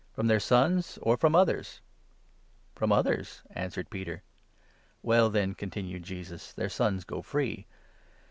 From their sons, or from others ?"" From others," answered Peter. 26 "Well then," continued Jesus, "their sons go free.